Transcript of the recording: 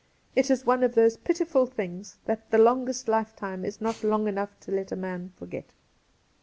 It is one of those pitiful things that the longest lifetime is not long enough to let a man forget.